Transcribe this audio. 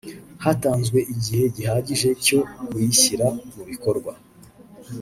hatanzwe igihe gihagije cyo kuyashyira mu bikorwa